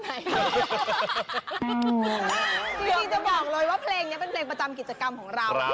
จริงจะบอกเลยว่าเพลงนี้เป็นเพลงประจำกิจกรรมของเรา